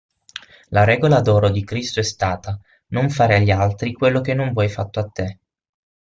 La regola d'oro di Cristo è stata: non fare agli altri quello che non vuoi fatto a te.